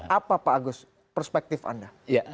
apa pak agus perspektif anda